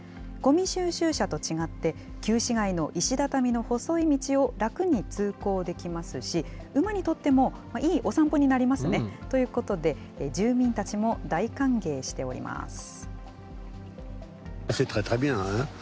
ごみ収集車と違って、旧市街の石畳の細い道を楽に通行できますし、馬にとってもいいお散歩になりますね。ということで、住民たちも大歓迎しております。